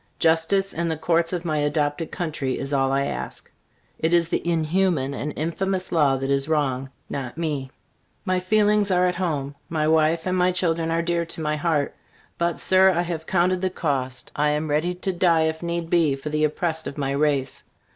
Justice in the Courts of my adopted country is all I ask. It is the inhuman and infamous law that is wrong, not me. My feelings are at my home. My wife and my children are dear to my heart. But, Sir, I have counted the cost. I am ready to die, if need be, for the oppressed of my race.